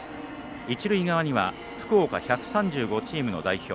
一塁側には福岡１３５チームの代表。